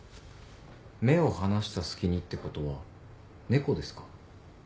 目を離した隙にってことは猫ですか？